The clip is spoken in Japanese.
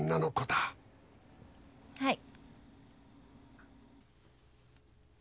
はい。